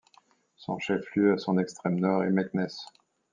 Son chef-lieu, à son extrême nord, est Meknès.